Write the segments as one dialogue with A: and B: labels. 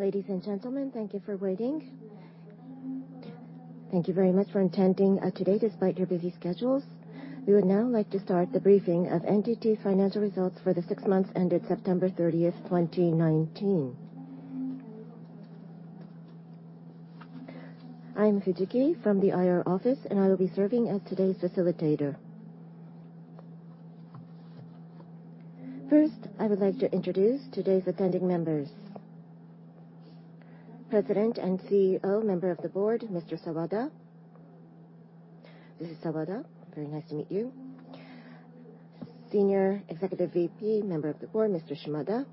A: Ladies and gentlemen, thank you for waiting. Thank you very much for attending today despite your busy schedules. We would now like to start the briefing of NTT financial results for the six months ended September 30th, 2019. I am Fujiki from the IR office, and I will be serving as today's facilitator. First, I would like to introduce today's attending members. President and CEO, member of the board, Mr. Sawada. This is Sawada. Very nice to meet you. Senior Executive VP, member of the board, Mr. Shimada.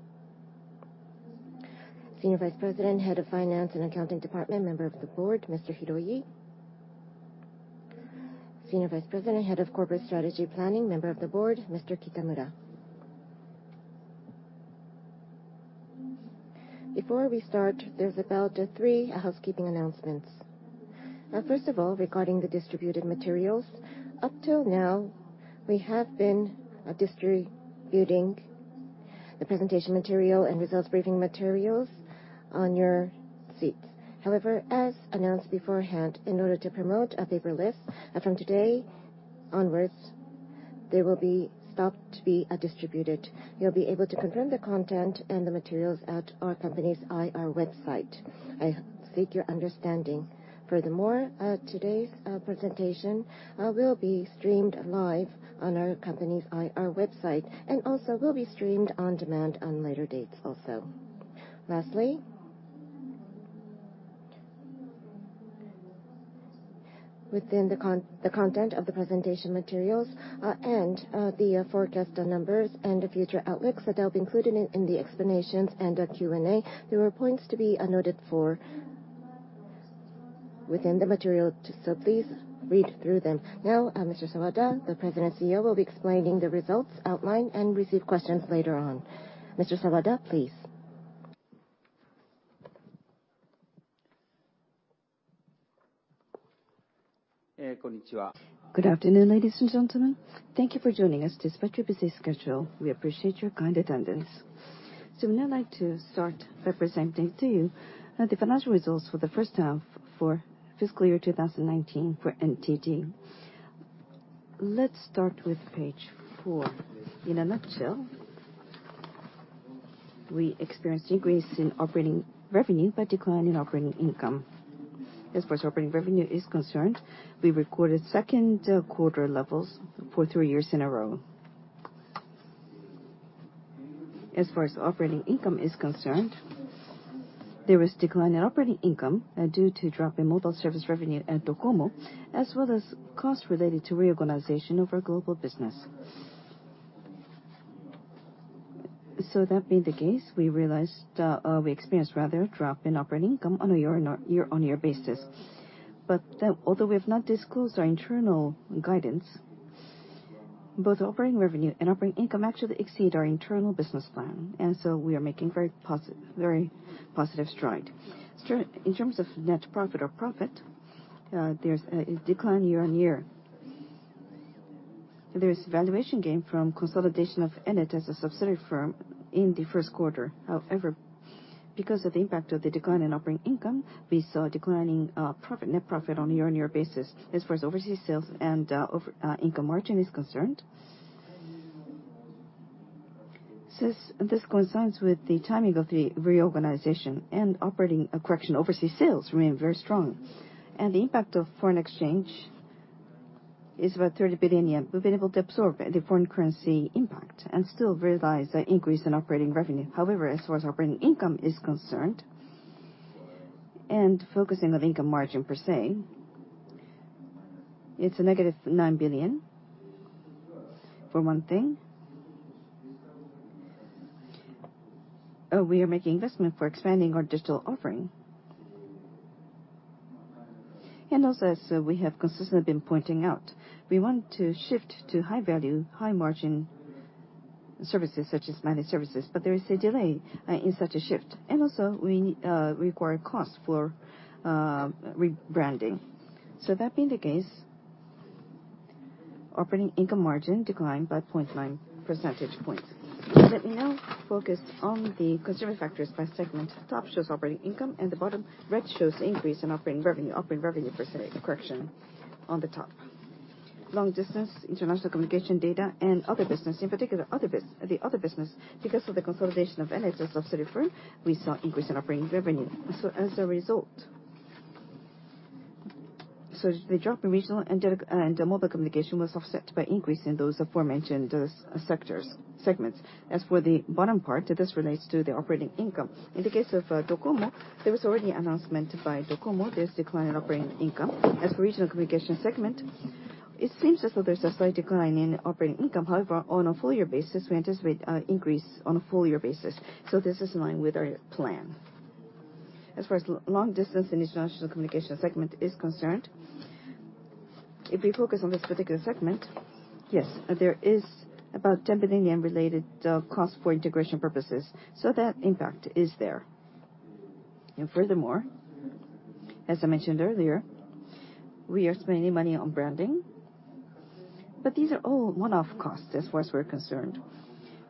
A: Senior Vice President, Head of Finance and Accounting Department, member of the board, Mr. Hiroi. Senior Vice President, Head of Corporate Strategy Planning, member of the board, Mr. Kitamura. Before we start, there's about three housekeeping announcements. First of all, regarding the distributed materials. Up till now, we have been distributing the presentation material and results briefing materials on your seat. As announced beforehand, in order to promote paperless, from today onwards, they will be stopped to be distributed. You'll be able to confirm the content and the materials at our company's IR website. I seek your understanding. Today's presentation will be streamed live on our company's IR website, and also will be streamed on demand on later dates, also. Within the content of the presentation materials and the forecast numbers and the future outlooks, they'll be included in the explanations and Q&A. There are points to be noted for within the material, please read through them. Mr. Sawada, the President CEO, will be explaining the results outline and receive questions later on. Mr. Sawada, please.
B: Good afternoon, ladies and gentlemen. Thank you for joining us despite your busy schedule. We appreciate your kind attendance. We'd now like to start by presenting to you the financial results for the first half for fiscal year 2019 for NTT. Let's start with page four. In a nutshell, we experienced increase in operating revenue, but decline in operating income. As far as operating revenue is concerned, we recorded second quarter levels for three years in a row. As far as operating income is concerned, there was decline in operating income due to drop in mobile service revenue at DOCOMO, as well as costs related to reorganization of our global business. That being the case, we experienced rather, a drop in operating income on a year-on-year basis. Although we have not disclosed our internal guidance, both operating revenue and operating income actually exceed our internal business plan. We are making very positive strides. In terms of net profit or profit, there's a decline year-on-year. There is valuation gain from consolidation of Ennet as a subsidiary firm in the first quarter. However, because of the impact of the decline in operating income, we saw a decline in net profit on a year-on-year basis. As far as overseas sales and income margin is concerned, this coincides with the timing of the reorganization and operating a correction. Overseas sales remain very strong. The impact of foreign exchange is about 30 billion yen. We've been able to absorb the foreign currency impact and still realize an increase in operating revenue. However, as far as operating income is concerned, and focusing on income margin per se, it's a negative 9 billion, for one thing. We are making investment for expanding our digital offering. As we have consistently been pointing out, we want to shift to high-value, high-margin services, such as managed services, but there is a delay in such a shift. We require cost for rebranding. That being the case, operating income margin declined by 0.9 percentage points. Let me now focus on the consumer factors by segment. The top shows operating income, and the bottom, red, shows increase in operating revenue percentage. Correction, on the top. Long distance, international communication data, and other business. In particular, the other business, because of the consolidation of Ennet as a subsidiary firm, we saw increase in operating revenue. As a result, the drop in regional and mobile communication was offset by increase in those aforementioned segments. As for the bottom part, this relates to the operating income. In the case of DOCOMO, there was already an announcement by DOCOMO, there's decline in operating income. As for regional communication segment, it seems as though there's a slight decline in operating income. However, on a full-year basis, we anticipate increase on a full-year basis. This is in line with our plan. As far as long distance and international communication segment is concerned, if we focus on this particular segment, yes, there is about JPY 10 billion related cost for integration purposes. That impact is there. Furthermore, as I mentioned earlier, we are spending money on branding. These are all one-off costs, as far as we're concerned.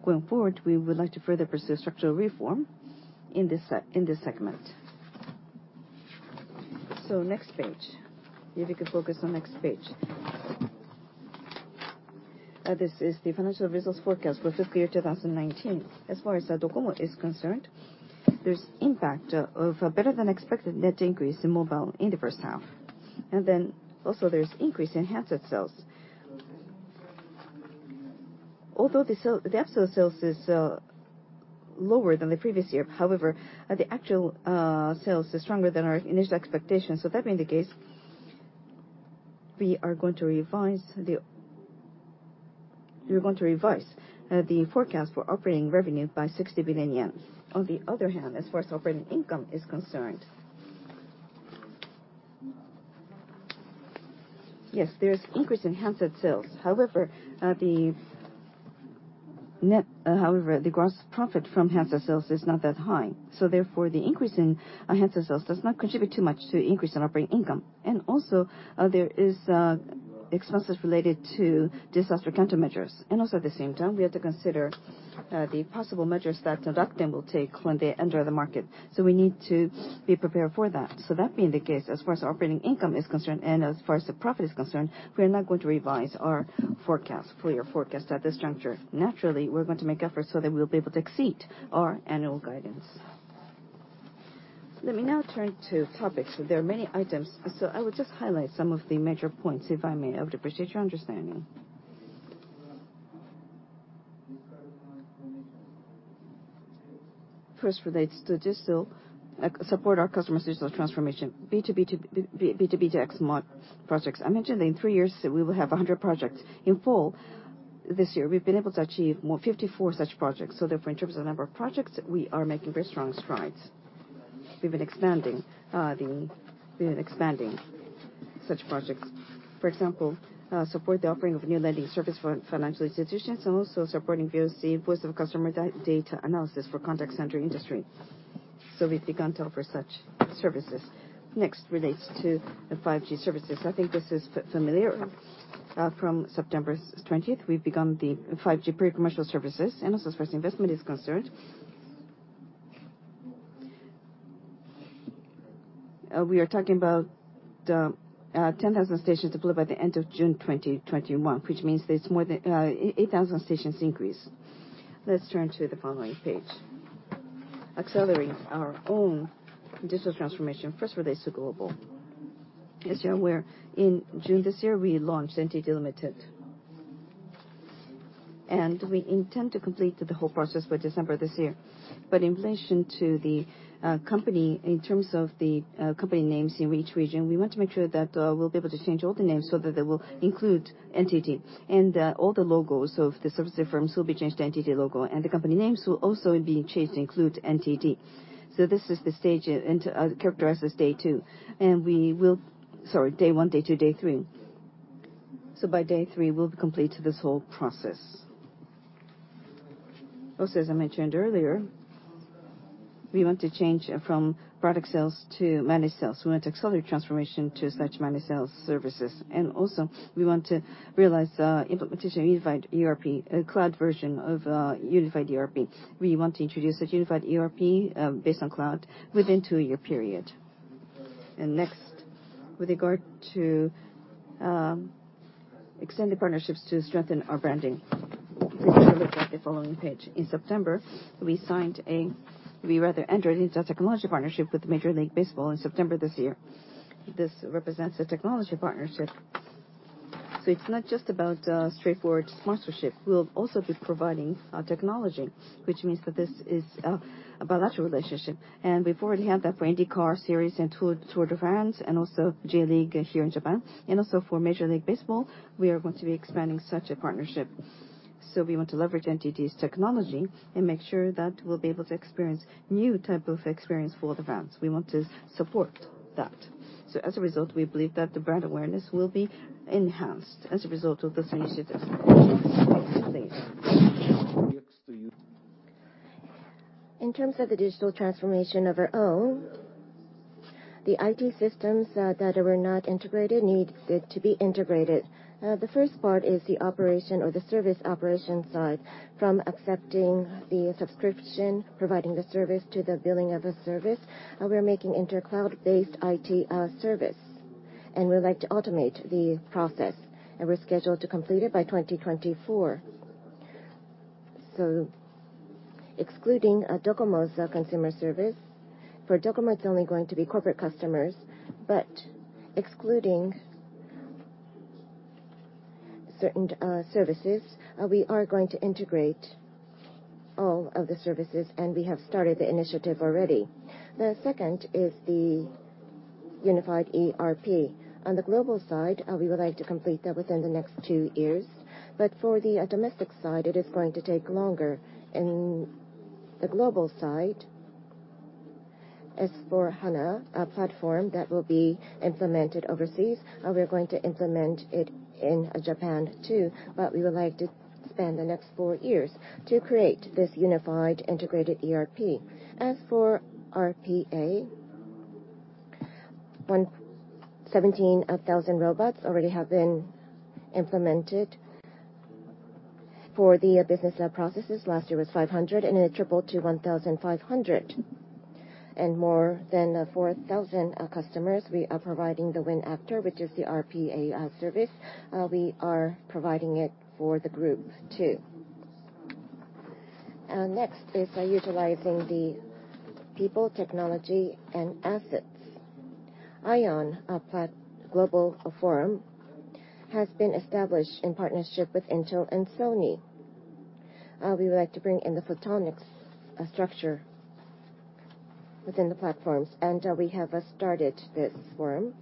B: Going forward, we would like to further pursue structural reform in this segment. Next page. If you could focus on the next page. This is the financial results forecast for fiscal year 2019. As far as DOCOMO is concerned, there's impact of a better-than-expected net increase in mobile in the first half. There's increase in handset sales. Although the absolute sales is lower than the previous year, however, the actual sales is stronger than our initial expectations. That being the case, we are going to revise the forecast for operating revenue by 60 billion yen. On the other hand, as far as operating income is concerned, yes, there is increase in handset sales. However, the gross profit from handset sales is not that high. The increase in handset sales does not contribute too much to the increase in operating income. There is expenses related to disaster countermeasures, and also at the same time, we have to consider the possible measures that the government will take when they enter the market. We need to be prepared for that. That being the case, as far as operating income is concerned and as far as the profit is concerned, we are not going to revise our full-year forecast at this juncture. Naturally, we're going to make efforts so that we'll be able to exceed our annual guidance. Let me now turn to topics. There are many items, so I will just highlight some of the major points, if I may. I would appreciate your understanding. First relates to support our customer's digital transformation, B2B2X projects. I mentioned that in three years, we will have 100 projects in full. This year, we've been able to achieve 54 such projects. Therefore, in terms of number of projects, we are making very strong strides. We've been expanding such projects. For example, support the offering of new lending service for financial institutions and also supporting VoC, voice of customer data analysis for contact center industry. We've begun to offer such services. Next relates to the 5G services. I think this is familiar. From September 20th, we've begun the 5G pre-commercial services. As far as investment is concerned, we are talking about 10,000 stations deployed by the end of June 2021, which means there's more than 8,000 stations increase. Let's turn to the following page. Accelerating our own digital transformation. First relates to global. As you are aware, in June this year, we launched NTT Ltd. We intend to complete the whole process by December this year. In relation to the company, in terms of the company names in each region, we want to make sure that we'll be able to change all the names so that they will include NTT. All the logos of the subsidiary firms will be changed to NTT logo, and the company names will also be changed to include NTT. This is the stage characterized as day 2, day 1, day 2, day 3. By day 3, we'll complete this whole process. Also, as I mentioned earlier, we want to change from product sales to managed sales. We want to accelerate transformation to such managed sales services. We want to realize implementation of unified ERP, a cloud version of unified ERP. We want to introduce a unified ERP based on cloud within two-year period. Next, with regard to extended partnerships to strengthen our branding. Please take a look at the following page. In September, we entered into a technology partnership with Major League Baseball in September this year. This represents a technology partnership, so it's not just about straightforward sponsorship. We'll also be providing technology, which means that this is a bilateral relationship. We've already had that for IndyCar series and Tour de France and also J.League here in Japan. Also for Major League Baseball, we are going to be expanding such a partnership. We want to leverage NTT's technology and make sure that we'll be able to experience new type of experience for the fans. We want to support that. As a result, we believe that the brand awareness will be enhanced as a result of this initiative. Next, please. In terms of the digital transformation of our own, the IT systems that were not integrated needed to be integrated. The first part is the operation or the service operation side. From accepting the subscription, providing the service to the billing of a service, we are making inter-cloud-based IT service, and we would like to automate the process, and we're scheduled to complete it by 2024. Excluding DOCOMO's consumer service. For DOCOMO, it's only going to be corporate customers, but excluding certain services, we are going to integrate all of the services, and we have started the initiative already. The second is the unified ERP. On the global side, we would like to complete that within the next two years, but for the domestic side, it is going to take longer. In the global side, S/4HANA, a platform that will be implemented overseas, we are going to implement it in Japan, too, but we would like to spend the next four years to create this unified integrated ERP. As for RPA 117,000 robots already have been implemented for the business processes. Last year was 500, and it tripled to 1,500. More than 4,000 customers, we are providing the WinActor, which is the RPA service. We are providing it for the group too. Next is utilizing the people, technology, and assets. IOWN Global Forum has been established in partnership with Intel and Sony. We would like to bring in the photonics structure within the platforms, and we have started this forum.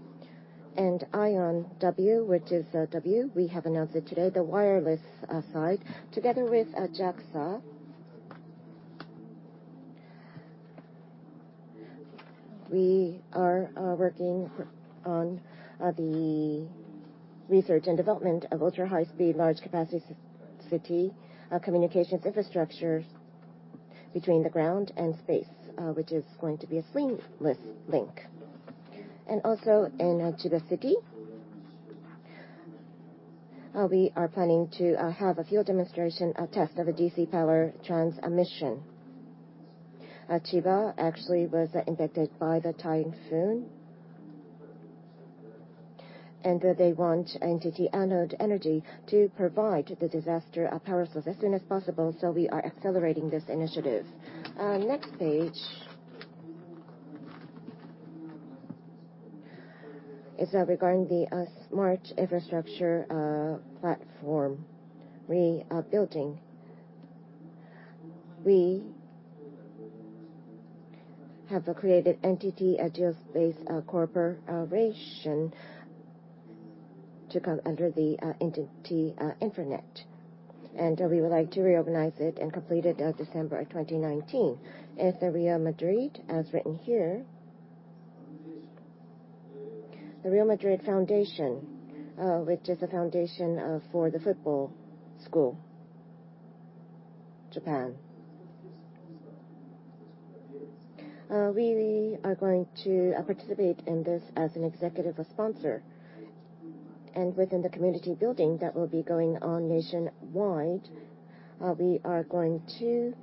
B: IOWN W, which is W, we have announced it today, the wireless side, together with JAXA. We are working on the research and development of ultra-high speed, large capacity communications infrastructures between the ground and space, which is going to be a seamless link. In Chiba City, we are planning to have a field demonstration test of a DC power transmission. Chiba actually was impacted by the typhoon, and they want NTT Anode Energy to provide the disaster power source as soon as possible, so we are accelerating this initiative. Next page is regarding the smart infrastructure platform rebuilding. We have created NTT GeoSpace Corporation to come under the NTT InfraNet. We would like to reorganize it and complete it December of 2019. With the Real Madrid, as written here, the Real Madrid Foundation, which is the foundation for the football school, Japan. We are going to participate in this as an executive sponsor. Within the community building that will be going on nationwide, we are going to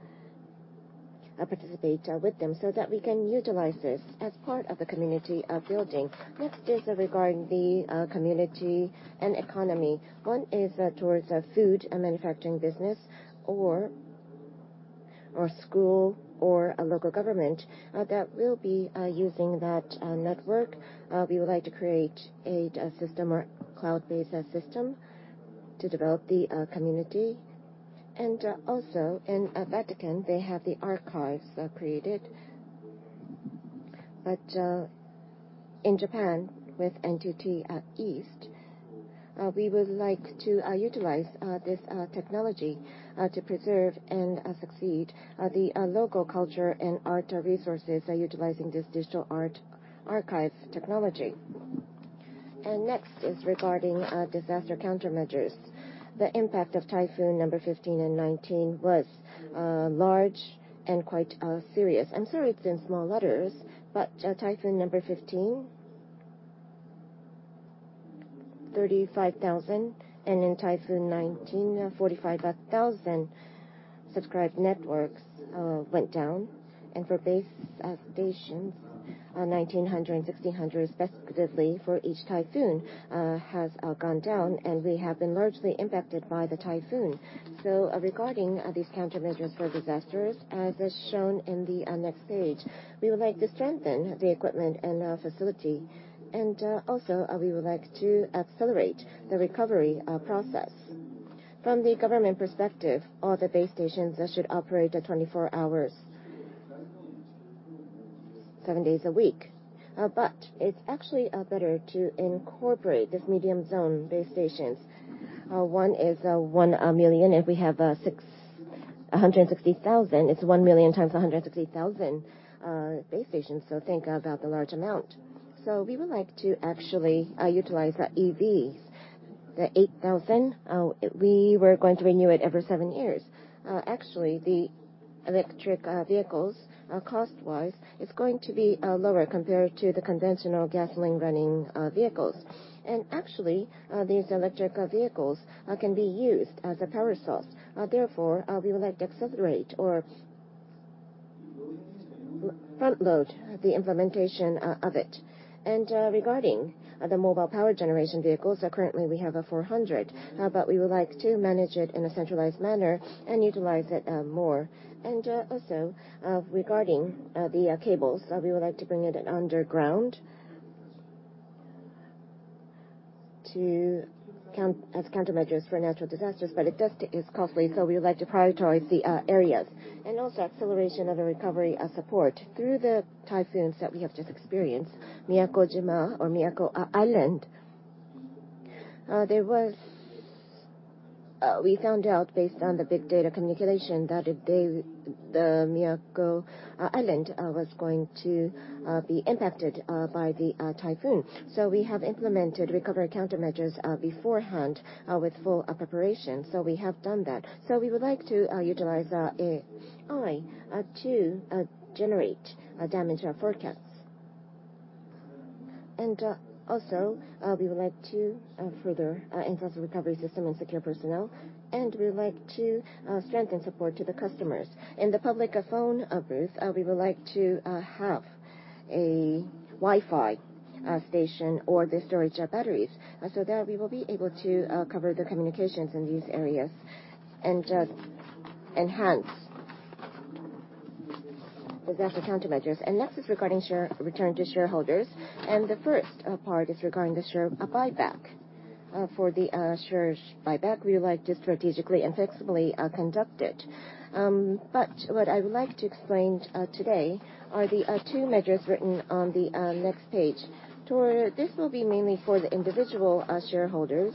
B: participate with them so that we can utilize this as part of the community building. Next is regarding the community and economy. One is towards food manufacturing business or school or a local government that will be using that network. We would like to create a system or cloud-based system to develop the community. Also in Vatican, they have the archives created. In Japan, with NTT East, we would like to utilize this technology to preserve and succeed the local culture and art resources utilizing this digital art archives technology. Next is regarding disaster countermeasures. The impact of typhoon number 15 and 19 was large and quite serious. I'm sorry it's in small letters, but typhoon number 15, 35,000, and in typhoon 19, 45,000 subscribed networks went down. For base stations, 1,900, 1,600 respectively for each typhoon has gone down, and we have been largely impacted by the typhoon. Regarding these countermeasures for disasters, as is shown in the next page, we would like to strengthen the equipment and facility. We would like to accelerate the recovery process. From the government perspective, all the base stations should operate 24 hours, 7 days a week. It's actually better to incorporate this medium zone base stations. One is 1 million. If we have 160,000, it's 1 million times 160,000 base stations, think about the large amount. We would like to actually utilize EVs. The 8,000, we were going to renew it every 7 years. Actually, the electric vehicles, cost-wise, it's going to be lower compared to the conventional gasoline-running vehicles. Actually, these electric vehicles can be used as a power source. We would like to accelerate or front-load the implementation of it. Regarding the mobile power generation vehicles, currently we have 400, but we would like to manage it in a centralized manner and utilize it more. Regarding the cables, we would like to bring it underground as countermeasures for natural disasters, it is costly, we would like to prioritize the areas. Acceleration of the recovery support. Through the typhoons that we have just experienced, Miyakojima or Miyako Island, we found out based on the big data communication that the Miyako Island was going to be impacted by the typhoon. We have implemented recovery countermeasures beforehand with full preparation, we have done that. We would like to utilize AI to generate damage forecasts. Also, we would like to further enhance recovery system and secure personnel, and we would like to strengthen support to the customers. In the public phone booth, we would like to have a Wi-Fi station or the storage of batteries. There, we will be able to cover the communications in these areas and just enhance the data countermeasures. Next is regarding return to shareholders, and the first part is regarding the share buyback. For the share buyback, we would like to strategically and flexibly conduct it. What I would like to explain today are the two measures written on the next page. This will be mainly for the individual shareholders.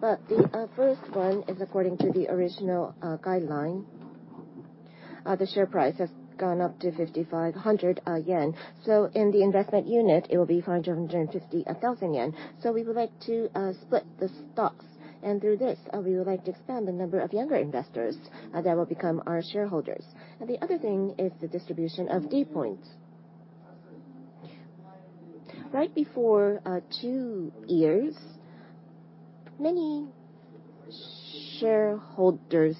B: The first one is according to the original guideline. The share price has gone up to 5,500 yen, in the investment unit, it will be 550,000 yen. We would like to split the stocks. Through this, we would like to expand the number of younger investors that will become our shareholders. The other thing is the distribution of d POINTs. Right before two years, many shareholders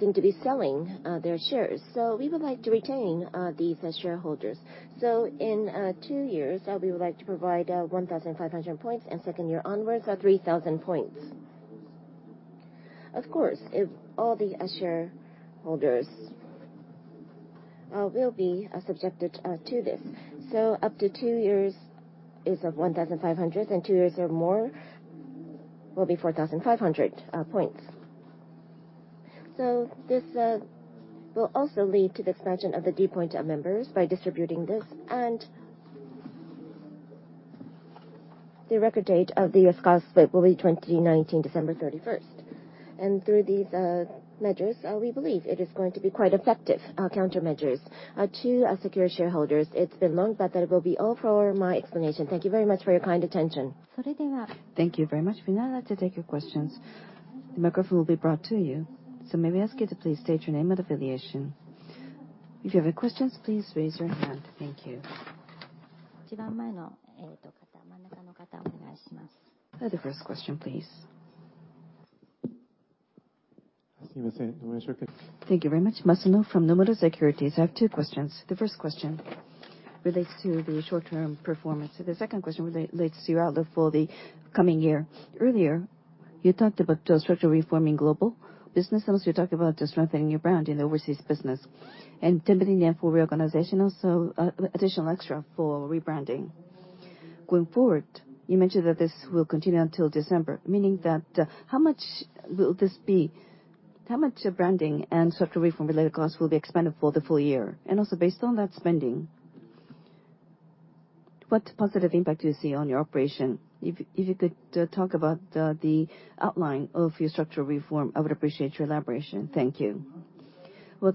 B: seem to be selling their shares, we would like to retain these shareholders. In two years, we would like to provide 1,500 points, second year onwards, 3,000 points. Of course, all the shareholders will be subjected to this. Up to two years is 1,500, two years or more will be 4,500 points. This will also lead to the expansion of the d POINT members by distributing this. The record date of the stock split will be 2019 December 31st. Through these measures, we believe it is going to be quite effective countermeasures to secure shareholders. It's been long, but that will be all for my explanation. Thank you very much for your kind attention.
A: Thank you very much. We now like to take your questions. The microphone will be brought to you, so may we ask you to please state your name and affiliation. If you have any questions, please raise your hand. Thank you. The first question, please.
C: Thank you very much. Masuno from Nomura Securities. I have two questions. The first question relates to the short-term performance. The second question relates to your outlook for the coming year. Earlier, you talked about structural reform in global businesses. You talked about strengthening your brand in the overseas business and 10 billion yen for reorganization, also additional extra for rebranding. Going forward, you mentioned that this will continue until December, meaning that how much will this be? How much branding and structural reform-related costs will be expended for the full year? Based on that spending, what positive impact do you see on your operation? If you could talk about the outline of your structural reform, I would appreciate your elaboration. Thank you.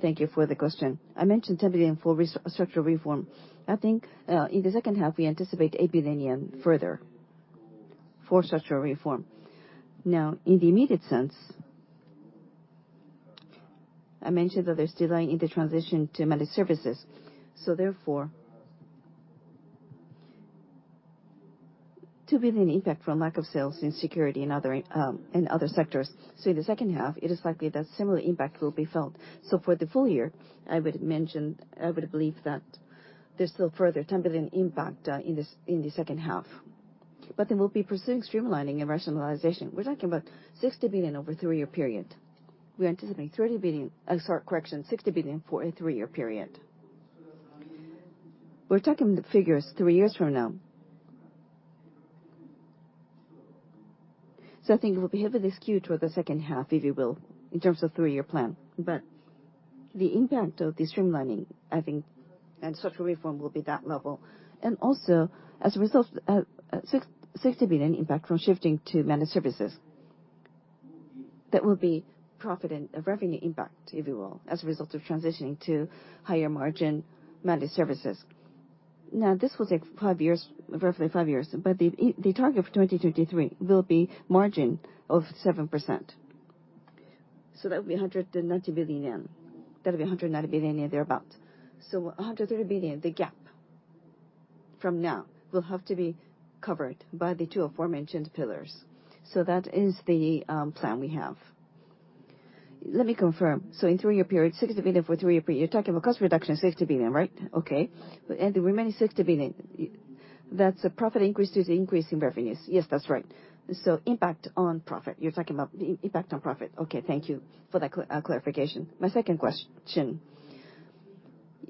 B: Thank you for the question. I mentioned 10 billion for structural reform. In the second half, we anticipate 8 billion further for structural reform. In the immediate sense, I mentioned that there's delay in the transition to managed services. Therefore, 2 billion impact from lack of sales in security and other sectors. In the second half, it is likely that similar impact will be felt. For the full year, I would believe that there's still further 10 billion impact in the second half. Then we'll be pursuing streamlining and rationalization. We're talking about 60 billion over a three-year period. We're anticipating 30 billion, sorry, correction, 60 billion for a three-year period. We're talking the figures three years from now. I think it will be heavily skewed toward the second half, if you will, in terms of three-year plan. The impact of the streamlining, I think, and structural reform will be that level. Also, as a result, 60 billion impact from shifting to managed services. That will be profit and revenue impact, if you will, as a result of transitioning to higher margin managed services. This will take roughly five years, but the target for 2023 will be margin of 7%. That will be 190 billion yen. That'll be 190 billion yen, thereabout. 130 billion, the gap from now, will have to be covered by the two aforementioned pillars. That is the plan we have.
C: Let me confirm. In three-year period, 60 billion for three-year period. You're talking about cost reduction of 60 billion, right? Okay. The remaining 60 billion, that's a profit increase due to increase in revenues.
B: Yes, that's right.
C: Impact on profit. You're talking about impact on profit. Okay, thank you for that clarification. My second question.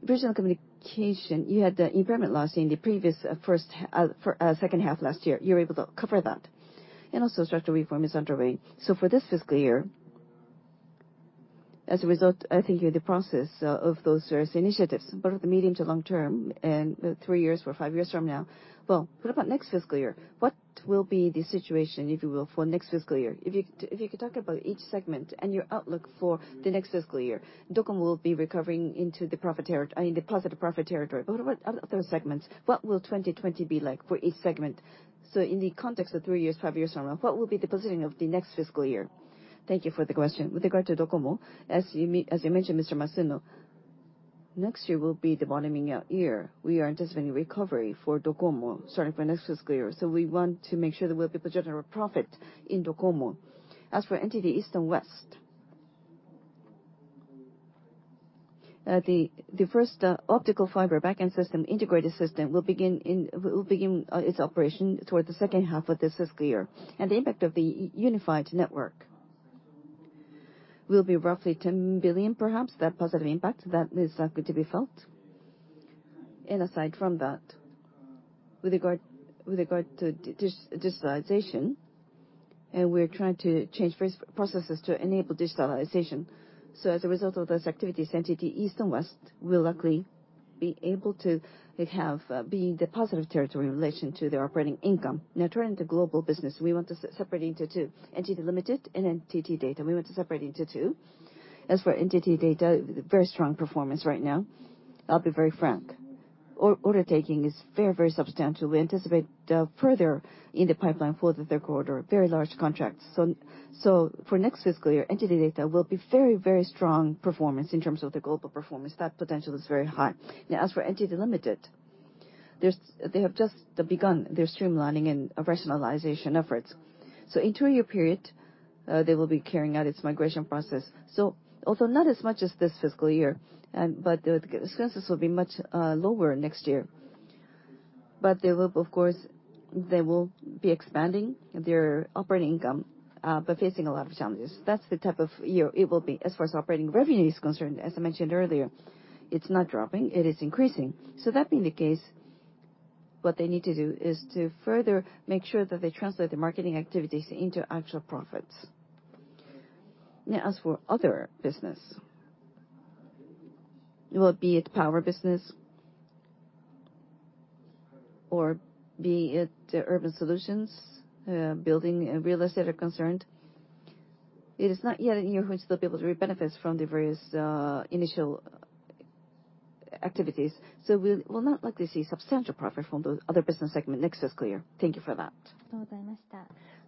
C: Original communication, you had the impairment loss in the previous second half last year. You were able to cover that. Structural reform is underway. For this fiscal year, as a result, I think you're in the process of those various initiatives, both the medium to long term and three years or five years from now. What about next fiscal year? What will be the situation, if you will, for next fiscal year? If you could talk about each segment and your outlook for the next fiscal year. DOCOMO will be recovering into the positive profit territory. What about other segments? What will 2020 be like for each segment? In the context of three years, five years from now, what will be the positioning of the next fiscal year?
B: Thank you for the question. With regard to DOCOMO, as you mentioned, Mr. Masuno. Next year will be the bottoming out year. We are anticipating recovery for DOCOMO starting from next fiscal year, so we want to make sure that we'll be generating profit in DOCOMO. As for NTT East and NTT West, the first optical fiber backend system, integrated system, will begin its operation towards the second half of this fiscal year. The impact of the unified network will be roughly 10 billion, perhaps. That positive impact is going to be felt. Aside from that, with regard to digitalization, we're trying to change processes to enable digitalization. As a result of those activities, NTT East and NTT West will likely be able to have being in the positive territory in relation to their operating income. Now turning to global business, we want to separate into two, NTT Ltd. and NTT DATA. We want to separate into two. As for NTT DATA, very strong performance right now. I'll be very frank. Order taking is very substantial. We anticipate further in the pipeline for the third quarter, very large contracts. For next fiscal year, NTT DATA will be very strong performance in terms of the global performance. That potential is very high. Now as for NTT Ltd., they have just begun their streamlining and rationalization efforts. In a two-year period, they will be carrying out its migration process. Although not as much as this fiscal year, but the expenses will be much lower next year. They will, of course, be expanding their operating income, but facing a lot of challenges. That's the type of year it will be. As far as operating revenue is concerned, as I mentioned earlier, it's not dropping. It is increasing. That being the case, what they need to do is to further make sure that they translate the marketing activities into actual profits. As for other business, be it power business, or be it urban solutions, building and real estate are concerned, it is not yet a year we'll still be able to reap benefits from the various initial activities. We will not likely see substantial profit from the other business segment next fiscal year. Thank you for that.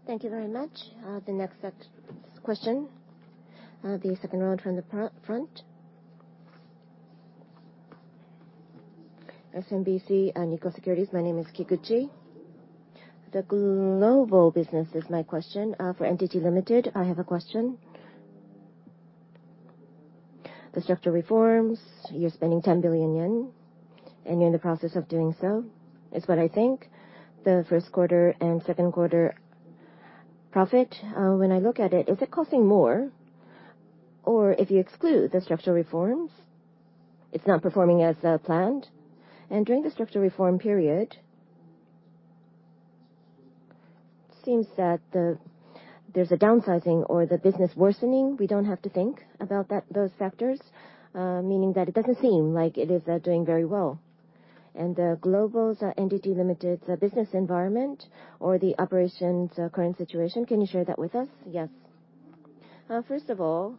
A: Thank you very much. The next question, the second one from the front.
D: SMBC Nikko Securities. My name is Kikuchi. The global business is my question. For NTT Ltd., I have a question. The structural reforms, you're spending 10 billion yen, you're in the process of doing so, is what I think. The first quarter and second quarter profit, when I look at it, is it costing more? If you exclude the structural reforms, it's not performing as planned? During the structural reform period, it seems that there's a downsizing or the business worsening. We don't have to think about those factors, meaning that it doesn't seem like it is doing very well. The global NTT Ltd. business environment or the operations current situation, can you share that with us?
B: First of all,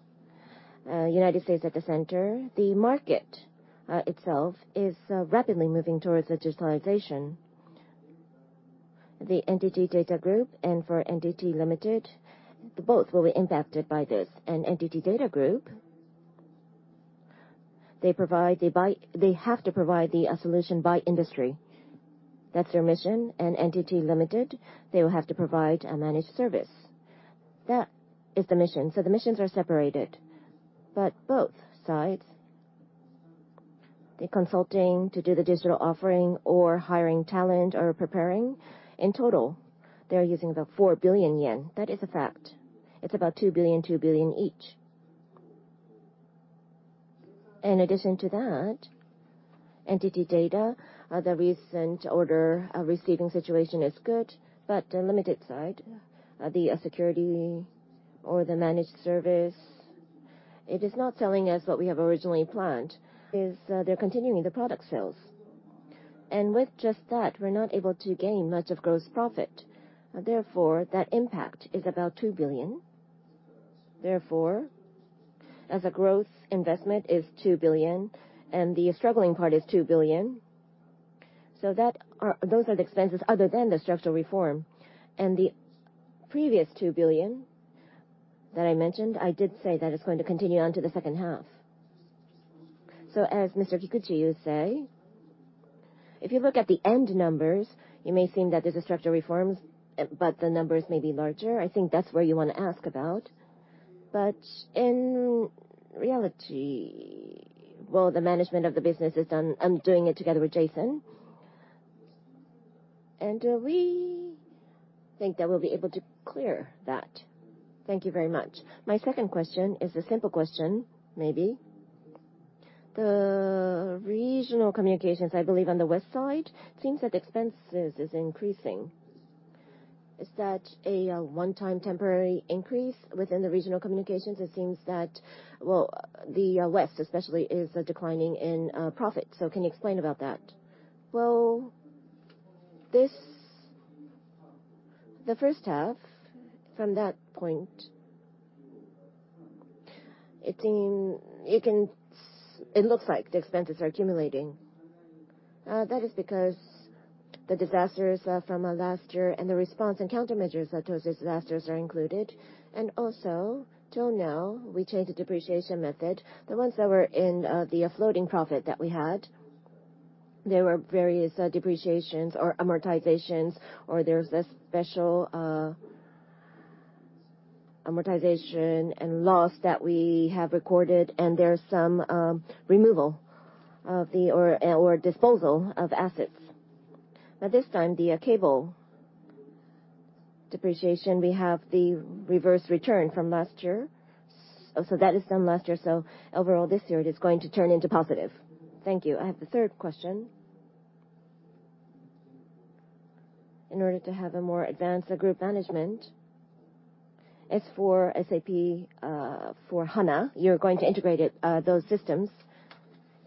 B: United States at the center, the market itself is rapidly moving towards digitalization. The NTT DATA Group and for NTT Ltd., both will be impacted by this. NTT DATA Group, they have to provide the solution by industry. That's their mission. NTT Ltd., they will have to provide a managed services. That is the mission. The missions are separated. Both sides, the consulting to do the digital offering or hiring talent or preparing, in total, they're using about 4 billion yen. That is a fact. It's about 2 billion each. In addition to that, NTT DATA, the recent order receiving situation is good, but the Ltd. side, the security or the managed services, it is not telling us what we have originally planned, is they're continuing the product sales. With just that, we're not able to gain much of gross profit. That impact is about 2 billion. As a growth investment is 2 billion, and the struggling part is 2 billion. Those are the expenses other than the structural reform. The previous 2 billion that I mentioned, I did say that it's going to continue on to the second half. As Mr. Kikuchi, you say, if you look at the end numbers, it may seem that there's structural reforms, but the numbers may be larger. I think that's where you want to ask about. In reality, well, the management of the business is done. I'm doing it together with Jason. We think that we'll be able to clear that.
D: Thank you very much. My second question is a simple question, maybe. The regional communications, I believe, on the west side, seems that expenses is increasing. Is that a one-time temporary increase within the regional communications? It seems that, well, the west especially is declining in profit. Can you explain about that?
B: Well, the first half, from that point, it looks like the expenses are accumulating.
D: That is because the disasters from last year and the response and countermeasures to those disasters are included. Till now, we changed the depreciation method. The ones that were in the floating profit that we had, there were various depreciations or amortizations, or there was a special amortization and loss that we have recorded, and there's some removal or disposal of assets. This time, the cable depreciation, we have the reverse return from last year. That is done last year. Overall, this year, it is going to turn into positive. Thank you. I have the third question. In order to have a more advanced group management, S/4 SAP for HANA, you're going to integrate those systems.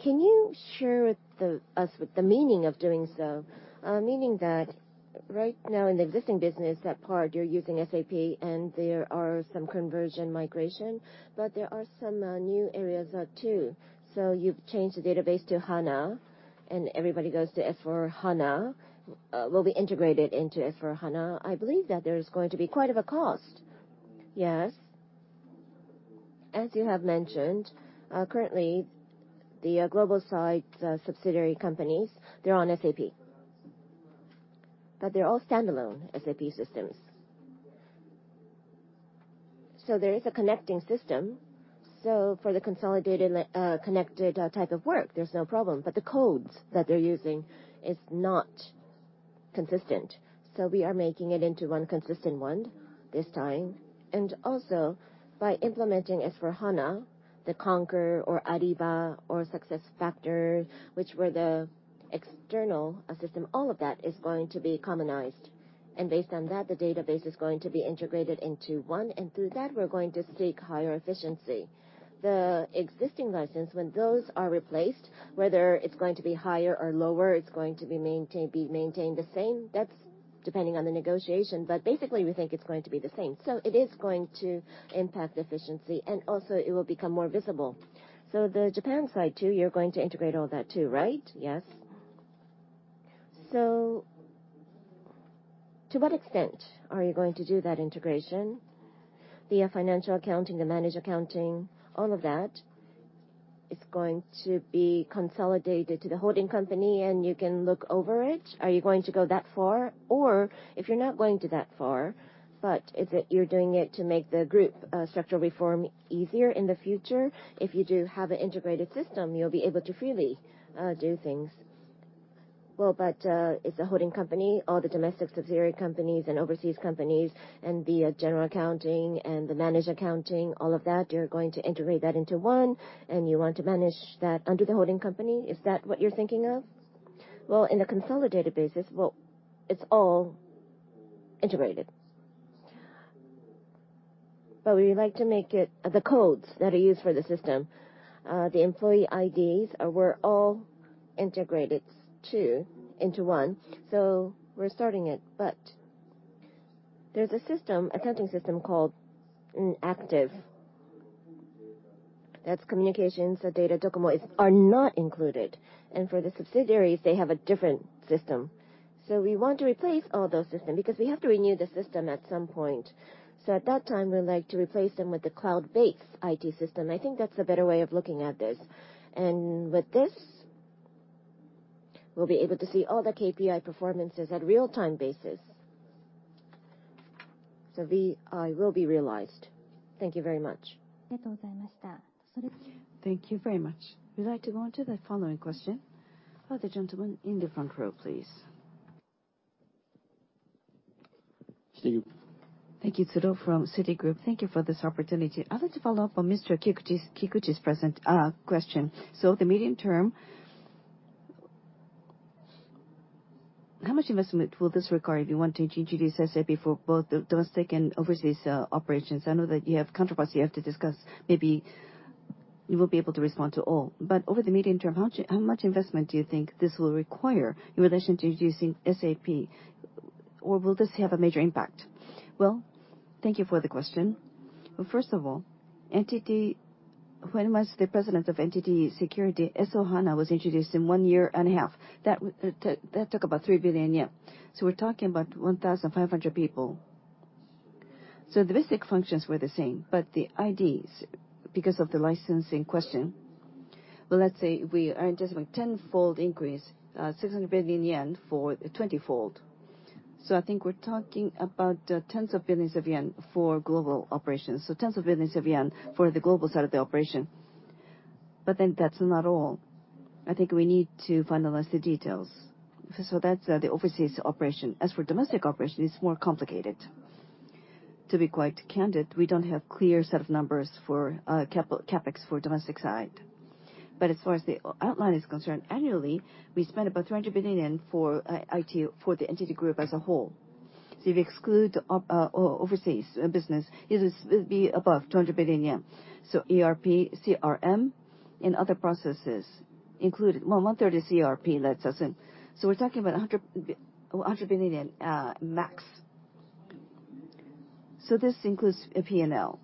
D: Can you share with us what the meaning of doing so? Meaning that right now in the existing business, that part, you're using SAP and there are some conversion migration, but there are some new areas too. You've changed the database to HANA, and everybody goes to S/4HANA, will be integrated into S/4HANA. I believe that there's going to be quite of a cost. Yes. As you have mentioned, currently, the global side subsidiary companies, they're on SAP. They're all standalone SAP systems. There is a connecting system. For the consolidated connected type of work, there's no problem. The codes that they're using is not consistent. We are making it into one consistent one this time. By implementing S/4HANA, the Concur or Ariba or SuccessFactors, which were the external system, all of that is going to be commonized.
B: Based on that, the database is going to be integrated into one, and through that, we're going to seek higher efficiency. The existing license, when those are replaced, whether it's going to be higher or lower, it's going to be maintained the same, that's depending on the negotiation. Basically, we think it's going to be the same. It is going to impact efficiency, and also it will become more visible. The Japan side, too, you're going to integrate all that too, right? Yes. To what extent are you going to do that integration? The financial accounting, the managed accounting, all of that is going to be consolidated to the holding company and you can look over it. Are you going to go that far? If you're not going to that far, but is it you're doing it to make the group structural reform easier in the future? If you do have an integrated system, you'll be able to freely do things. As a holding company, all the domestic subsidiary companies and overseas companies and the general accounting and the managed accounting, all of that, you're going to integrate that into one, and you want to manage that under the holding company. Is that what you're thinking of? In the consolidated basis, it's all integrated. We would like to make it the codes that are used for the system. The employee IDs were all integrated, too, into one. We're starting it, but there's a system, accounting system, called Active. That's communications, NTT DATA, DOCOMO are not included. For the subsidiaries, they have a different system. We want to replace all those systems because we have to renew the system at some point. At that time, we would like to replace them with the cloud-based IT system. I think that's a better way of looking at this. With this, we'll be able to see all the KPI performances at real-time basis. AI will be realized. Thank you very much.
A: Thank you very much. We'd like to go on to the following question. The gentleman in the front row, please.
E: Citigroup.
A: Thank you. Tsuruo from Citigroup. Thank you for this opportunity. I'd like to follow up on Mr. Kikuchi's question. The medium term, how much investment will this require if you want to introduce SAP for both the domestic and overseas operations? I know that you have counterparts you have to discuss. Maybe you won't be able to respond to all. Over the medium term, how much investment do you think this will require in relation to introducing SAP? Or will this have a major impact?
B: Thank you for the question. NTT, when I was the president of NTT Security, S/4HANA was introduced in one year and a half. That took about 3 billion. We're talking about 1,500 people. The basic functions were the same, but the IDs, because of the licensing question. Let's say we are anticipating 10-fold increase, 600 billion yen for 20-fold. I think we're talking about tens of billions of JPY for global operations. Tens of billions of JPY for the global side of the operation. That's not all. I think we need to finalize the details. That's the overseas operation. As for domestic operation, it's more complicated. To be quite candid, we don't have clear set of numbers for CapEx for domestic side. As far as the outline is concerned, annually, we spend about 200 billion yen for IT for the NTT Group as a whole. If you exclude overseas business, it would be above 200 billion yen. ERP, CRM, and other processes included. Well, 130 ERP lets us in. We're talking about 100 billion max.
E: This includes a P&L.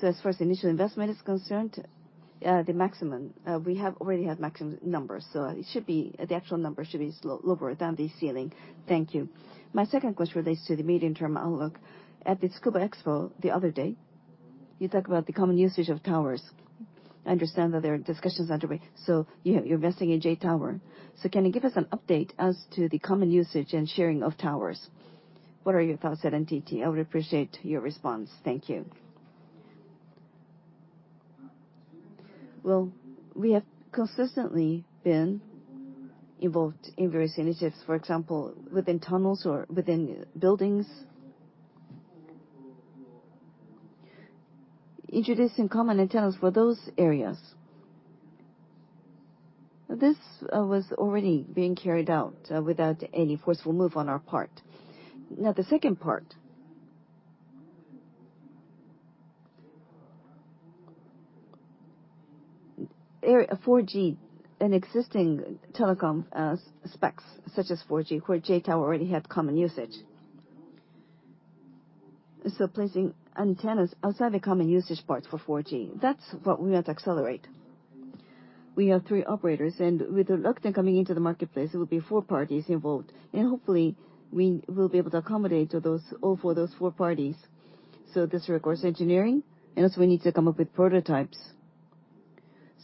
E: As far as the initial investment is concerned, we have already had maximum numbers. The actual number should be lower than the ceiling. Thank you. My second question relates to the medium-term outlook. At the Tsukuba Forum the other day, you talked about the common usage of towers. I understand that there are discussions underway. You're investing in JTOWER. Can you give us an update as to the common usage and sharing of towers? What are your thoughts at NTT? I would appreciate your response. Thank you. Well, we have consistently been involved in various initiatives, for example, within tunnels or within buildings, introducing common antennas for those areas. This was already being carried out without any forceful move on our part. Now, the second part.
B: 4G and existing telecom specs, such as 4G, where JTOWER already had common usage. Placing antennas outside the common usage parts for 4G. That's what we want to accelerate. We have three operators, and with Rakuten coming into the marketplace, it will be four parties involved. Hopefully, we will be able to accommodate all four of those parties. This requires engineering, and also we need to come up with prototypes.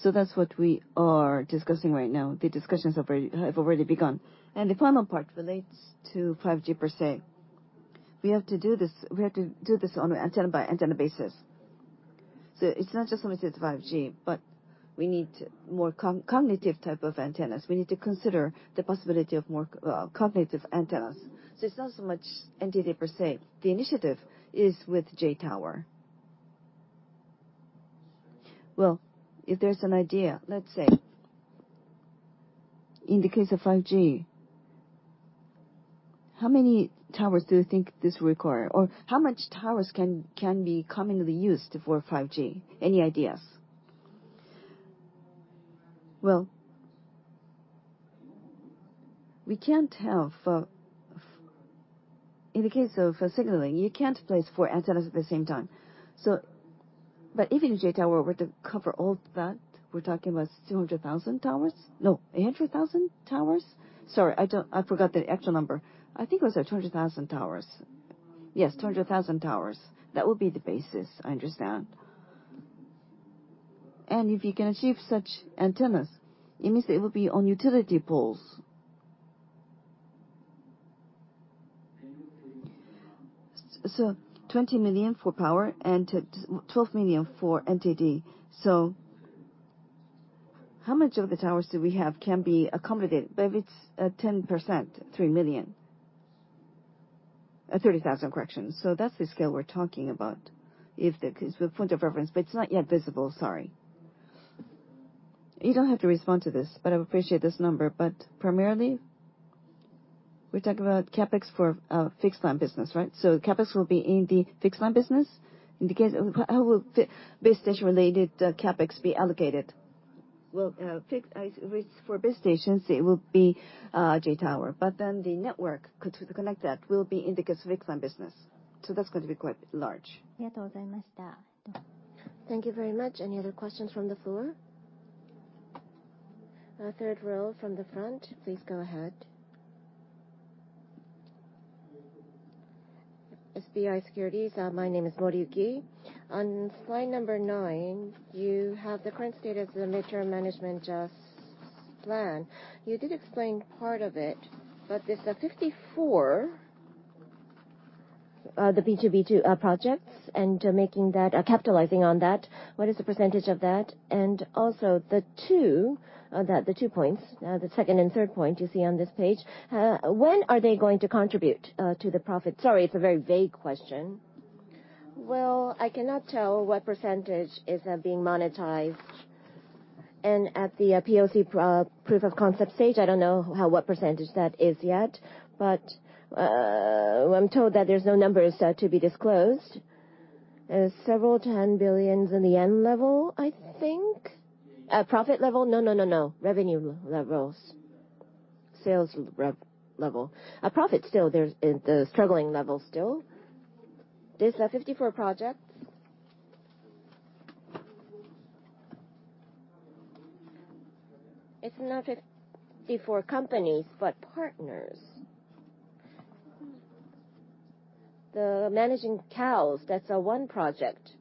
B: That's what we are discussing right now. The discussions have already begun. The final part relates to 5G per se. We have to do this on an antenna-by-antenna basis. It's not just limited to 5G, but we need more cognitive type of antennas. We need to consider the possibility of more cognitive antennas. It's not so much NTT per se. The initiative is with JTOWER.
E: Well, if there's an idea, let's say in the case of 5G, how many towers do you think this will require? Or how much towers can be commonly used for 5G? Any ideas? Well, in the case of signaling, you can't place four antennas at the same time. Even if JTOWER were to cover all that, we're talking about 200,000 towers. No, 800,000 towers. Sorry, I forgot the actual number. I think it was 200,000 towers. Yes, 200,000 towers. That would be the basis, I understand. If you can achieve such antennas, it means that it will be on utility poles. 20 million for power and 12 million for NTT. How much of the towers that we have can be accommodated? Maybe it's 10%, 3 million. 30,000, correction. That's the scale we're talking about, the point of reference, but it's not yet visible, sorry. You don't have to respond to this, but I would appreciate this number. Primarily, we're talking about CapEx for fixed line business, right? CapEx will be in the fixed line business. In the case, how will base station-related CapEx be allocated? Well, for base stations, it will be JTOWER. The network to connect that will be in the case of fixed line business. That's going to be quite large.
A: Thank you very much. Any other questions from the floor? Third row from the front, please go ahead.
F: SBI Securities. My name is Moriyuki. On slide number nine, you have the current state of the mid-term management plan. You did explain part of it, but there's 54, the B2B2 projects, and capitalizing on that, what is the percentage of that? Also, the two points, the second and third point you see on this page, when are they going to contribute to the profit? Sorry, it's a very vague question.
B: Well, I cannot tell what percentage is being monetized. At the POC, proof of concept stage, I don't know what percentage that is yet. I'm told that there's no numbers to be disclosed. Several ten billions in the end level, I think. Profit level? No, no, no. Revenue levels. Sales rev level. Profit, still, they're in the struggling level still. There's 54 projects. It's not 54 companies, but partners. The managing cows, that's one project.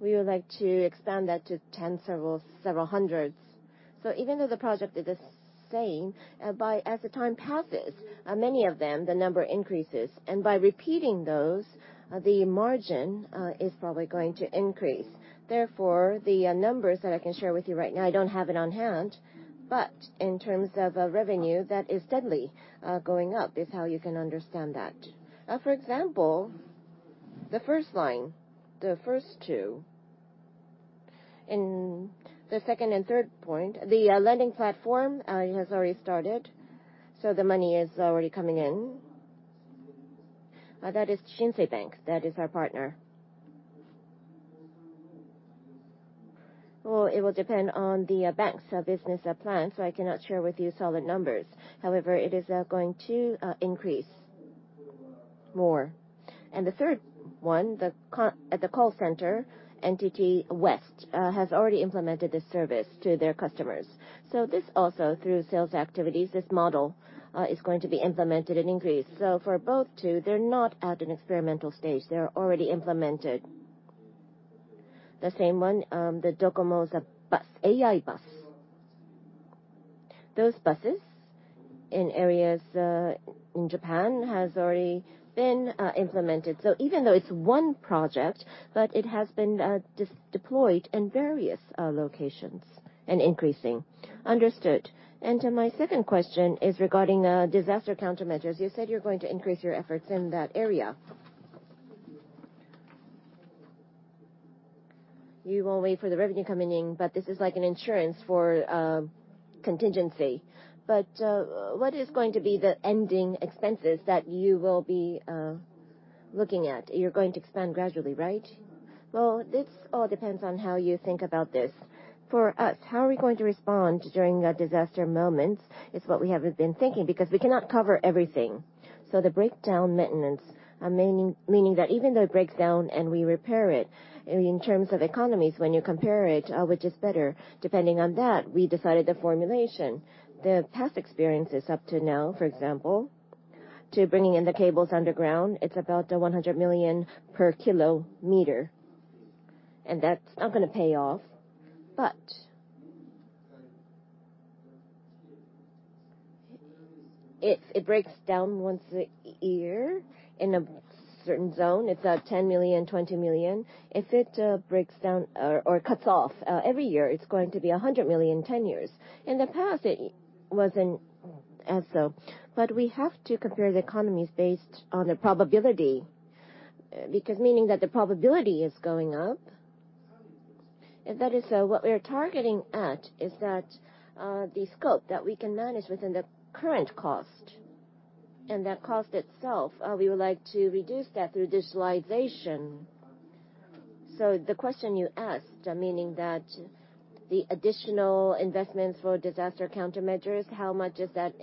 B: We would like to expand that to 10, several hundreds. Even though the project is the same, as the time passes, many of them, the number increases. By repeating those, the margin is probably going to increase. Therefore, the numbers that I can share with you right now, I don't have it on hand. In terms of revenue, that is steadily going up, is how you can understand that. For example, the first line, the first two, in the second and third point, the lending platform has already started. The money is already coming in. That is Shinsei Bank. That is our partner. Well, it will depend on the bank's business plan, I cannot share with you solid numbers. However, it is going to increase more. The third one, at the call center, NTT West has already implemented this service to their customers. This also, through sales activities, this model is going to be implemented and increased. For both two, they're not at an experimental stage, they're already implemented. The same one, the DOCOMO's bus, AI Bus. Those buses in areas in Japan has already been implemented. Even though it's one project, but it has been deployed in various locations and increasing. Understood. My second question is regarding disaster countermeasures. You said you're going to increase your efforts in that area. You will wait for the revenue coming in, but this is like an insurance for contingency.
F: What is going to be the ending expenses that you will be looking at? You're going to expand gradually, right? This all depends on how you think about this. For us, how are we going to respond during disaster moments is what we have been thinking, because we cannot cover everything. The breakdown maintenance, meaning that even though it breaks down and we repair it, in terms of economies, when you compare it, which is better? Depending on that, we decided the formulation. The past experiences up to now, for example, to bringing in the cables underground, it's about 100 million per kilometer. That's not going to pay off. It breaks down once a year in a certain zone. It's 10 million, 20 million. If it breaks down or cuts off every year, it's going to be 100 million, 10 years.
B: In the past, it wasn't as so. We have to compare the economies based on the probability, because meaning that the probability is going up. That is what we are targeting at, is that the scope that we can manage within the current cost, and that cost itself, we would like to reduce that through digitalization. The question you asked, meaning that the additional investments for disaster countermeasures, how much is that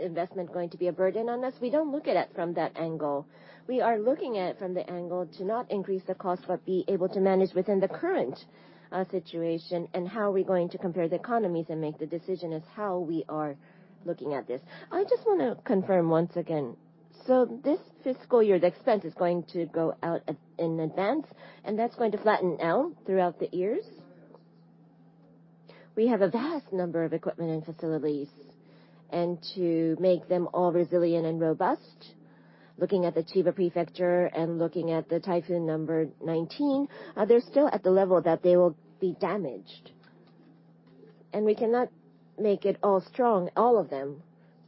B: investment going to be a burden on us? We don't look at it from that angle. We are looking at it from the angle to not increase the cost, but be able to manage within the current situation, and how we're going to compare the economies and make the decision is how we are looking at this. I just want to confirm once again.
F: This fiscal year, the expense is going to go out in advance, and that's going to flatten out throughout the years. We have a vast number of equipment and facilities, and to make them all resilient and robust, looking at the Chiba Prefecture and looking at the typhoon number 19, they're still at the level that they will be damaged. We cannot make it all strong, all of them.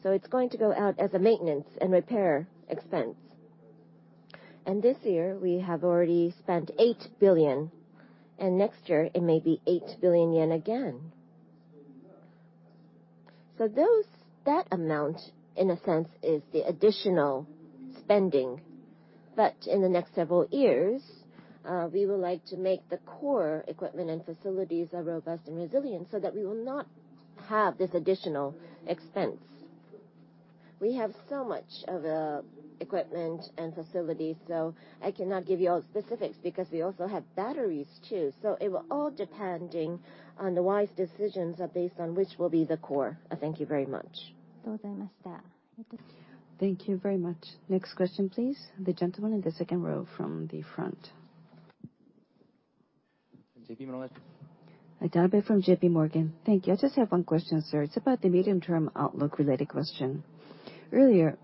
F: It's going to go out as a maintenance and repair expense. This year, we have already spent 8 billion, and next year it may be 8 billion yen again. That amount, in a sense, is the additional spending. In the next several years, we would like to make the core equipment and facilities robust and resilient so that we will not have this additional expense.
B: We have so much of equipment and facilities, so I cannot give you all specifics because we also have batteries too. It will all depending on the wise decisions based on which will be the core. Thank you very much.
A: Thank you very much. Next question, please. The gentleman in the second row from the front. JP Morgan.
G: Tanabe from JP Morgan. Thank you. I just have one question, sir. It's about the medium-term outlook-related question. Earlier,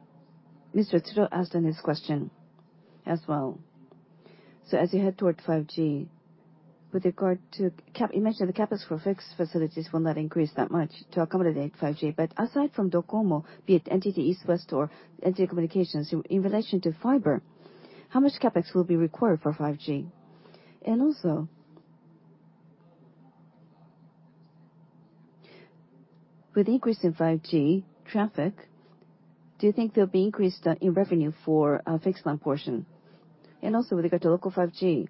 G: Mr. Tsuruo asked on this question as well. As you head toward 5G, with regard to, you mentioned the CapEx for fixed facilities will not increase that much to accommodate 5G. Aside from DOCOMO, be it NTT East, West, or NTT Communications, in relation to fiber, how much CapEx will be required for 5G? Also, with increase in 5G traffic, do you think there'll be increase in revenue for fixed line portion? Also, with regard to local 5G,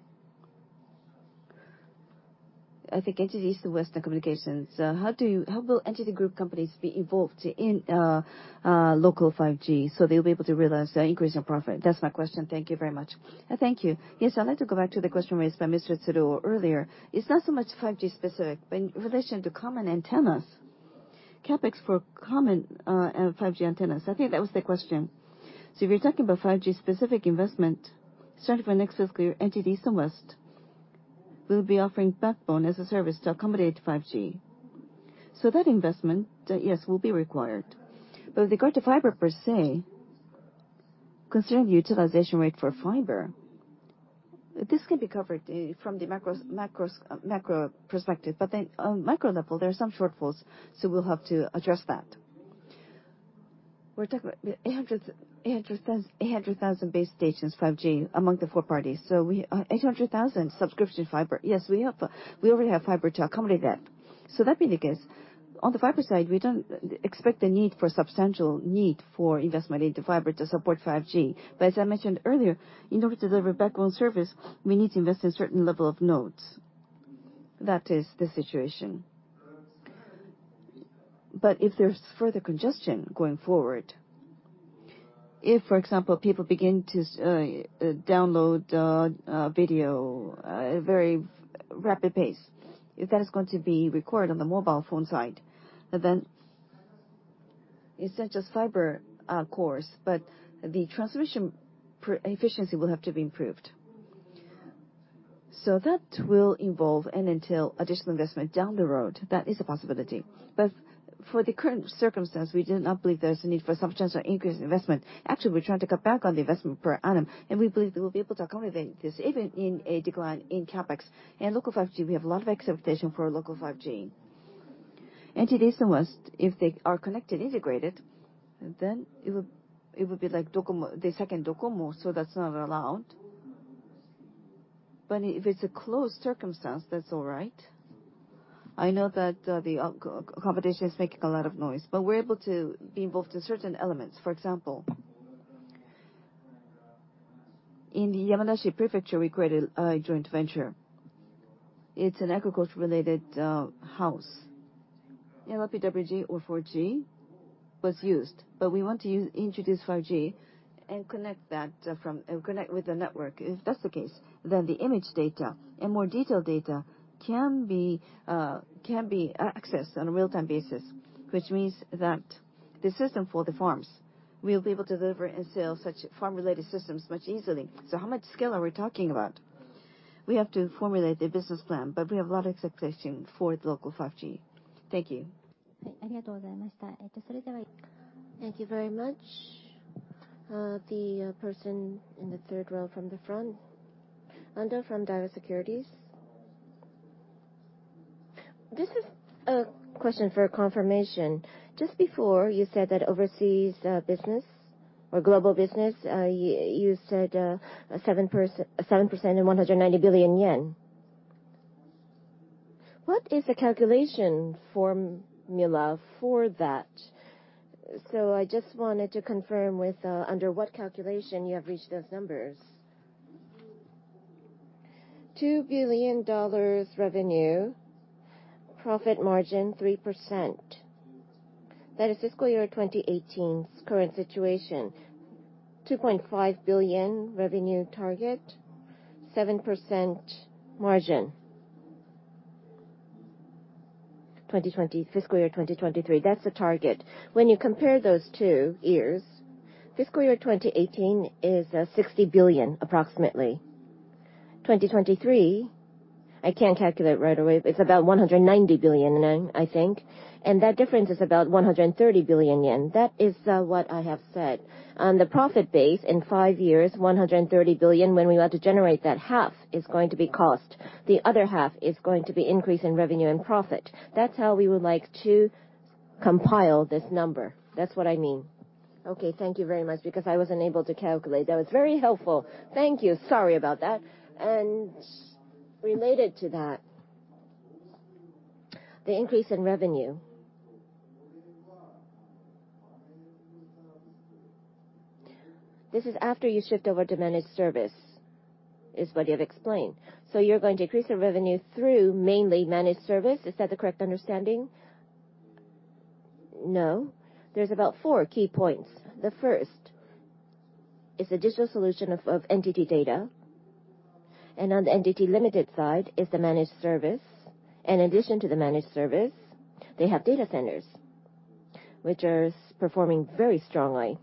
G: I think NTT East, West, and NTT Communications, how will NTT Group companies be involved in local 5G so they'll be able to realize increase in profit? That's my question. Thank you very much.
B: Thank you. Yes, I'd like to go back to the question raised by Mr. Tsuruo earlier. It's not so much 5G-specific, but in relation to common antennas. CapEx for common 5G antennas. I think that was the question. If you're talking about 5G-specific investment, starting from next fiscal year, NTT East and West will be offering backbone as a service to accommodate 5G. That investment, yes, will be required. With regard to fiber per se, considering the utilization rate for fiber, this can be covered from the macro perspective, but then on micro level, there are some shortfalls, so we'll have to address that.
G: We're talking about 800,000 base stations 5G among the four parties. 800,000 subscription fiber.
B: Yes, we already have fiber to accommodate that.
G: That being the case, on the fiber side, we don't expect a need for substantial need for investment into fiber to support 5G. As I mentioned earlier, in order to deliver backbone service, we need to invest in a certain level of nodes. That is the situation. If there's further congestion going forward, if, for example, people begin to download video at a very rapid pace, if that is going to be required on the mobile phone side, then it's not just fiber cores, but the transmission efficiency will have to be improved. That will involve and entail additional investment down the road. That is a possibility. For the current circumstance, we do not believe there's a need for substantial increase in investment.
B: Actually, we're trying to cut back on the investment per annum, and we believe that we'll be able to accommodate this even in a decline in CapEx. Local 5G, we have a lot of expectation for local 5G. NTT East and West, if they are connected, integrated, then it would be like the second DOCOMO, that's not allowed. If it's a closed circumstance, that's all right. I know that the competition is making a lot of noise, we're able to be involved in certain elements. For example, in Yamanashi Prefecture, we created a joint venture. It's an agriculture-related house. LPWA or 4G was used, we want to introduce 5G and connect with the network. If that's the case, then the image data and more detailed data can be accessed on a real-time basis, which means that the system for the farms, we'll be able to deliver and sell such farm-related systems much easily. How much scale are we talking about? We have to formulate the business plan, but we have a lot of expectation for local 5G. Thank you.
A: Thank you very much. The person in the third row from the front. Ando from Daiwa Securities.
H: This is a question for confirmation. Just before, you said that overseas business or global business, you said 7% and 190 billion yen. What is the calculation formula for that? I just wanted to confirm under what calculation you have reached those numbers.
B: JPY 2 billion revenue, profit margin 3%. That is fiscal year 2018's current situation. 2.5 billion revenue target, 7% margin. Fiscal year 2023, that's the target. When you compare those two years, fiscal year 2018 is 60 billion, approximately. 2023, I can't calculate right away, but it's about 190 billion yen, I think. That difference is about 130 billion yen. That is what I have said. On the profit base, in five years, 130 billion, when we are to generate that, half is going to be cost. The other half is going to be increase in revenue and profit. That's how we would like to compile this number. That's what I mean.
H: Okay. Thank you very much, because I was unable to calculate. That was very helpful. Thank you. Sorry about that. Related to that, the increase in revenue, this is after you shift over to managed service, is what you have explained. You're going to increase your revenue through mainly managed service. Is that the correct understanding?
B: There's about four key points. The first is the digital solution of NTT DATA. On the NTT Ltd. side is the managed service. In addition to the managed service, they have data centers, which are performing very strongly.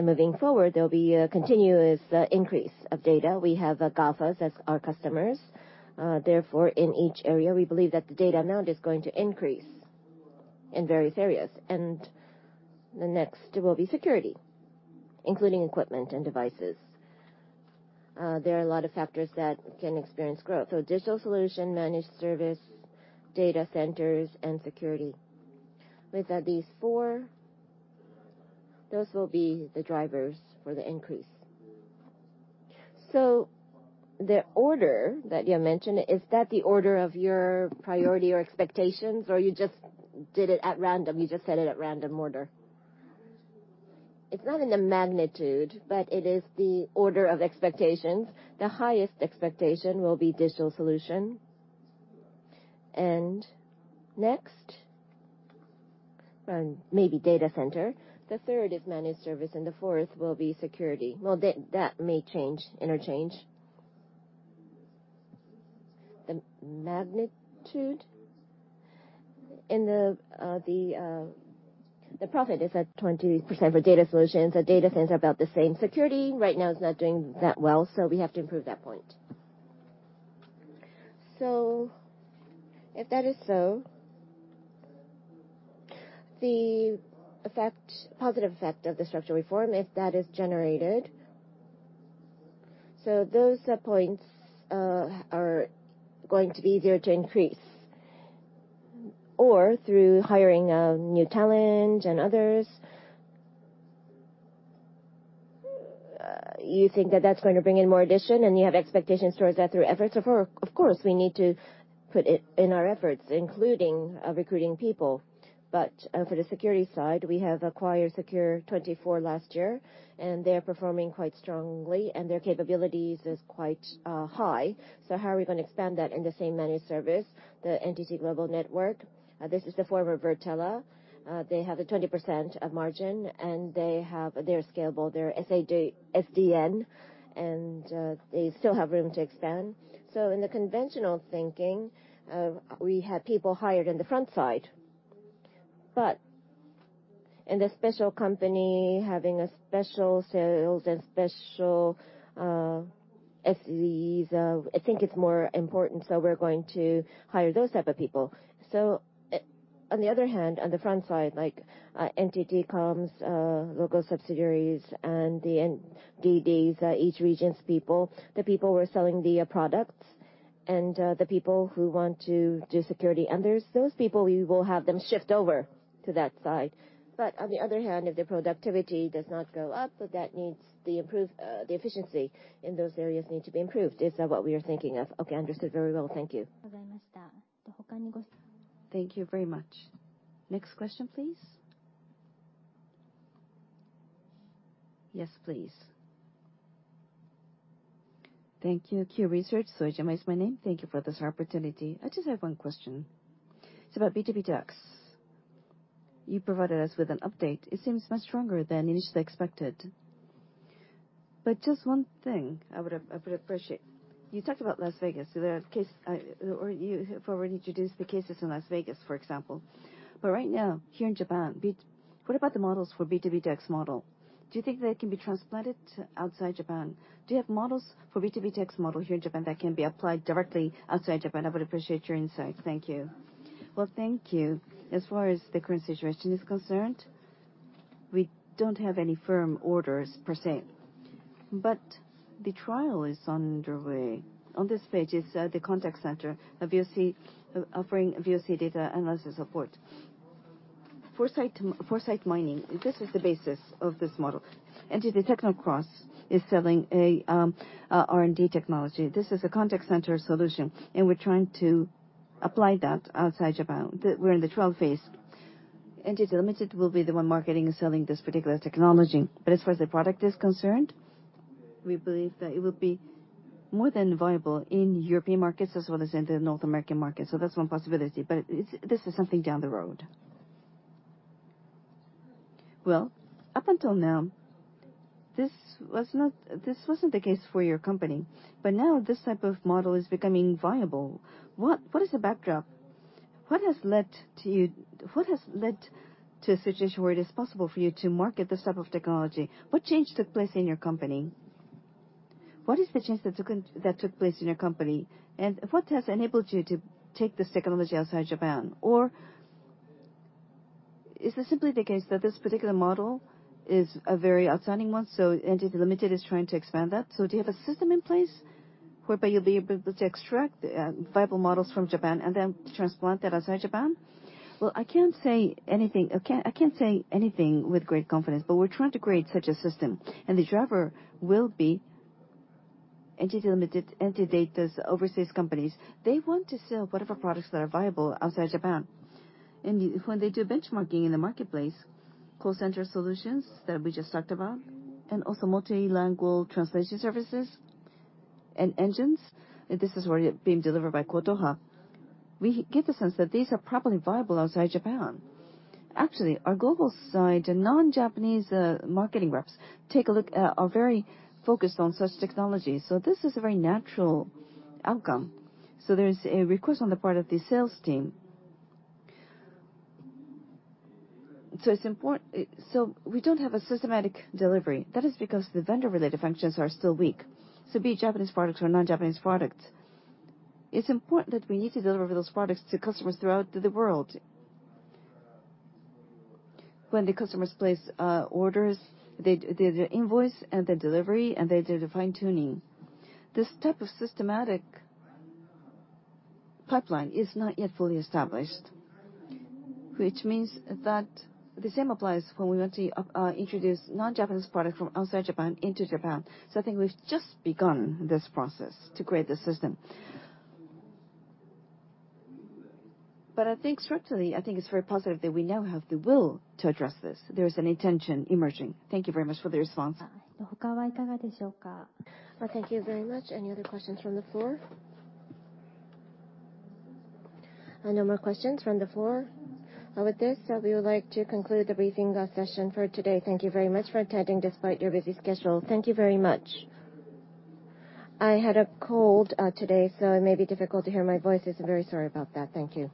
B: Moving forward, there'll be a continuous increase of data. We have GAFAs as our customers. In each area, we believe that the data amount is going to increase in various areas. The next will be security, including equipment and devices. There are a lot of factors that can experience growth. Digital solution, managed service, data centers, and security. With these four, those will be the drivers for the increase.
H: The order that you mentioned, is that the order of your priority or expectations, or you just did it at random? You just said it at random order.
B: It's not in the magnitude, but it is the order of expectations. The highest expectation will be digital solution. Next, maybe data center. The third is managed service, and the fourth will be security. Well, that may interchange.
H: The magnitude?
B: In the profit, it's at 20% for data solutions. The data center, about the same. Security right now is not doing that well. We have to improve that point.
H: If that is so, the positive effect of the structural reform, if that is generated, so those points are going to be easier to increase through hiring of new talent and others.
B: You think that that's going to bring in more addition and you have expectations towards that through efforts? Of course, we need to put in our efforts, including recruiting people. For the security side, we have acquired Secure-24 last year, and they're performing quite strongly, and their capabilities is quite high. How are we going to expand that in the same managed service, the NTT Global Network? This is the former Virtela. They have a 20% margin and they are scalable. They're SDN, and they still have room to expand. In the conventional thinking, we have people hired on the front side. In the special company, having special sales and special SEs, I think it's more important, so we're going to hire those type of people. On the other hand, on the front side, like NTT Com's local subsidiaries and the DDs, each region's people, the people who are selling the products and the people who want to do security, and those people, we will have them shift over to that side. On the other hand, if their productivity does not go up, the efficiency in those areas need to be improved. Is that what we are thinking of?
H: Okay, understood very well. Thank you.
A: Thank you very much. Next question, please. Yes, please.
I: Thank you. Q Research, Sojima is my name. Thank you for this opportunity. I just have one question. It's about B2B2X. You provided us with an update. It seems much stronger than initially expected. Just one thing I would appreciate. You talked about Las Vegas, or you have already introduced the cases in Las Vegas, for example. Right now, here in Japan, what about the models for B2B2X model? Do you think they can be transplanted to outside Japan? Do you have models for B2B2X model here in Japan that can be applied directly outside Japan? I would appreciate your insight. Thank you. Well, thank you. As far as the current situation is concerned, we don't have any firm orders per se. The trial is underway. On this page is the contact center, offering VOC data analysis support. ForeSight Voice Mining, this is the basis of this model. NTT TechnoCross is selling a R&D technology. This is a contact center solution, we're trying to apply that outside Japan. We're in the trial phase. NTT Ltd. will be the one marketing and selling this particular technology. As far as the product is concerned, we believe that it will be more than viable in European markets as well as in the North American market. That's one possibility, but this is something down the road. Well, up until now, this wasn't the case for your company. Now this type of model is becoming viable. What is the backdrop? What has led to a situation where it is possible for you to market this type of technology? What change took place in your company?
B: What is the change that took place in your company, and what has enabled you to take this technology outside Japan? Is this simply the case that this particular model is a very outstanding one, so NTT Ltd. is trying to expand that? Do you have a system in place whereby you'll be able to extract viable models from Japan and then transplant that outside Japan? Well, I can't say anything with great confidence, but we're trying to create such a system, and the driver will be NTT Ltd., NTT DATA's overseas companies. They want to sell whatever products that are viable outside Japan. When they do benchmarking in the marketplace, call center solutions that we just talked about, and also multi-lingual translation services and engines, this is already being delivered by COTOHA. We get the sense that these are properly viable outside Japan.
I: Actually, our global side, the non-Japanese marketing reps, take a look, are very focused on such technology. This is a very natural outcome. There is a request on the part of the sales team. We don't have a systematic delivery. That is because the vendor-related functions are still weak. Be it Japanese products or non-Japanese products, it's important that we need to deliver those products to customers throughout the world. When the customers place orders, they do the invoice and the delivery, and they do the fine-tuning. This type of systematic pipeline is not yet fully established, which means that the same applies when we want to introduce non-Japanese product from outside Japan into Japan. I think we've just begun this process to create this system. I think structurally, I think it's very positive that we now have the will to address this.
B: There is an intention emerging. Thank you very much for the response.
A: Thank you very much. Any other questions from the floor? No more questions from the floor. With this, we would like to conclude the briefing session for today. Thank you very much for attending despite your busy schedule. Thank you very much. I had a cold today, so it may be difficult to hear my voice. I am very sorry about that. Thank you.